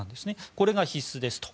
これが必須ですと。